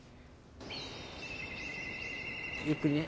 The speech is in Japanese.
ゆっくりね。